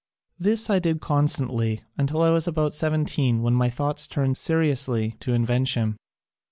This I did constantly until I was about seventeen when my thoughts turned seri ously to invention.